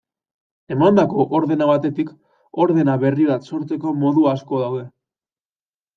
Emandako ordena batetik ordena berri bat sortzeko modu asko daude.